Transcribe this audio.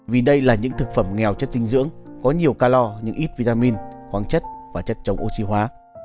vì đây là những thực phẩm nghèo chất dinh dưỡng có nhiều calor như ít vitamin khoáng chất và chất chống oxy hóa